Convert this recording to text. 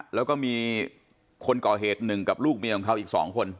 แล้วก็มีคนก่อเหตุหนึ่งกับลูกเมียของเขาอีก๒คน